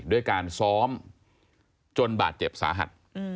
ด้วยการซ้อมจนบาดเจ็บสาหัส